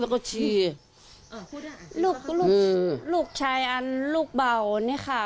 เวลาลูกชายลูกเบานี่มา